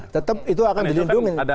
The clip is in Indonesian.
tetap itu akan dilindungi